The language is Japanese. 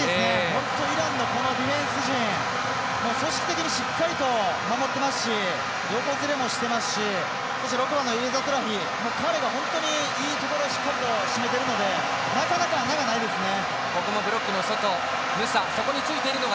本当イランのディフェンス陣組織的にしっかりと守ってますし横ずれもしてますしそして、６番のエザトラヒ彼が本当にいいところしっかりと、しめているのでなかなか穴がないですね。